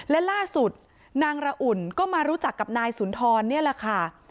และล่าสุดนางระอุ่นก็มารู้จักกับนายสุนทรนี่แหละค่ะ